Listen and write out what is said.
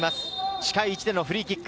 近い位置でのフリーキック。